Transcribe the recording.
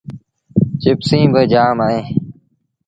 چپسيٚݩ با جآم اهيݩ ۔